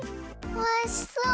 おいしそう！